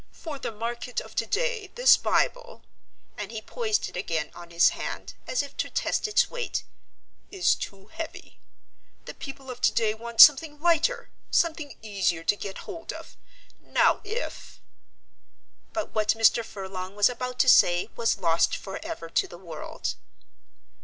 For the market of today this Bible" and he poised it again on his hand, as if to test its weight, "is too heavy. The people of today want something lighter, something easier to get hold of. Now if " But what Mr. Furlong was about to say was lost forever to the world.